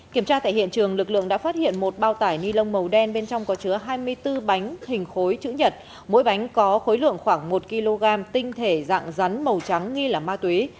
kiểm tra tại hiện trường lực lượng đã phát hiện một bao tải ni lông màu đen bên trong có chứa hai mươi bốn bánh hình khối chữ nhật mỗi bánh có khối lượng khoảng một kg tinh thể dạng rắn màu trắng nghi là ma túy